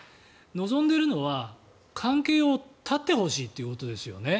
望んでいるのは関係を絶ってほしいということですよね。